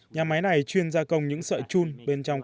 nhà máy này chuyên gia công những sợi chun